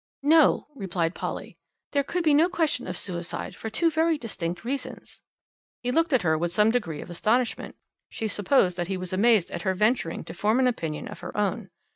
"No," replied Polly, "there could be no question of suicide, for two very distinct reasons." He looked at her with some degree of astonishment. She supposed that he was amazed at her venturing to form an opinion of her own.